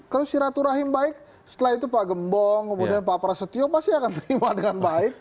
kalau siraturahim baik setelah itu pak gembong kemudian pak prasetyo pasti akan terima dengan baik